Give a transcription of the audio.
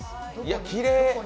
きれい。